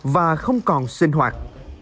và không còn sinh hoạt